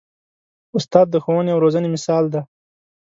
استاد د ښوونې او روزنې مثال دی.